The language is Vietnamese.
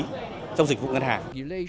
trong dịch vụ ngân hàng